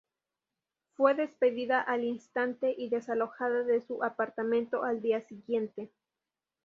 Fue despedida al instante y desalojada de su apartamento al día siguiente.